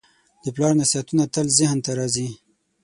د پلار نصیحتونه تل ذهن ته راځي.